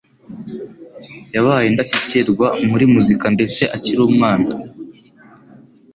Yabaye indashyikirwa muri muzika ndetse akiri umwana.